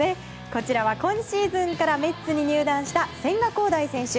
こちらは今シーズンからメッツに入団した千賀滉大選手。